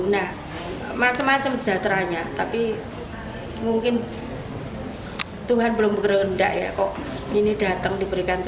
nah macam macam sejahteranya tapi mungkin tuhan belum berkehendak ya kok ini datang diberikan